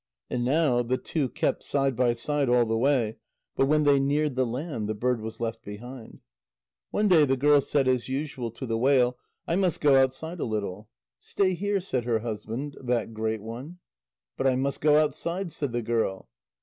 And now the two kept side by side all the way, but when they neared the land, the bird was left behind. One day the girl said as usual to the whale: "I must go outside a little." "Stay here," said her husband, that great one. "But I must go outside," said the girl.